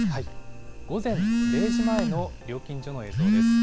午前０時前の料金所の映像です。